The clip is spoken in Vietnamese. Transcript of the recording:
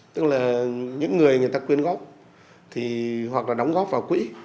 tức là những người người ta quyên góp hoặc là đóng góp vào quỹ